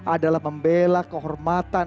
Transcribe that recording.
adalah membela kehormatan